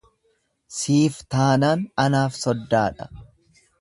Siif taanaan anaaf soddaadha.